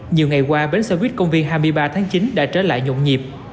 nhiều ngày qua bến xe buýt công viên hai mươi ba tháng chín đã trở lại nhộn nhịp